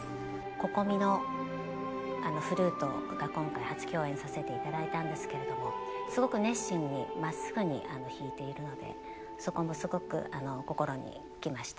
Ｃｏｃｏｍｉのフルートが今回初共演させていただいたんですけどもすごく熱心にまっすぐに弾いているのでそこもすごく心にきました。